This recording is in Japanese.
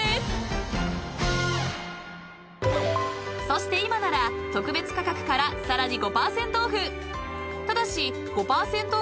［そして今なら特別価格からさらに］